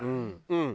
うん。